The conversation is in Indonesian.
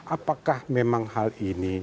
apakah memang hal ini